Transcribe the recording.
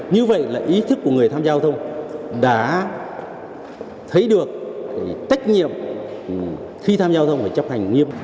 như vậy là ý thức của người tham gia giao thông đã thấy được cái tách nhiệm khi tham gia giao thông